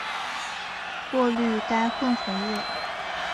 过滤该混合液。